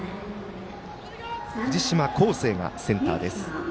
藤島凰聖がセンターです。